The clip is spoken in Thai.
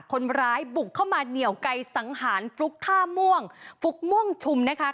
คนร้ายบุกเข้ามาเหนียวไกลสังหารฟลุกท่าม่วงฟลุกม่วงชุมนะคะ